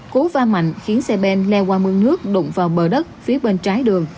cú va mạnh khiến xe ben leo qua mương nước đụng vào bờ đất phía bên trái đường